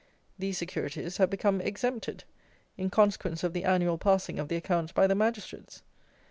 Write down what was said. These securities have become exempted, in consequence of the annual passing of the accounts by the Magistrates!